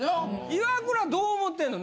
イワクラどう思てんの？